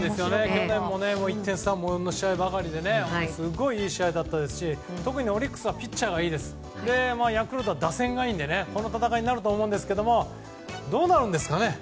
去年も１点差ものの試合ばかりですごいいい試合でしたし特にオリックスはピッチャーがいいですしヤクルトは打線がいいのでこの戦いになると思うんですがどうなるんですかね。